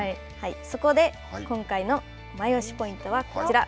そこで今回のマイオシポイントはこちら。